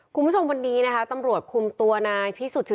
คุณผู้ชมวันนี้นะคะตำรวจคุมตัวนายพิสุทธิ